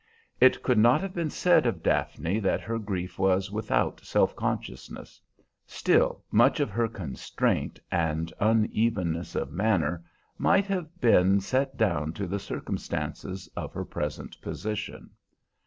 It could not have been said of Daphne that her grief was without self consciousness. Still, much of her constraint and unevenness of manner might have been set down to the circumstances of her present position.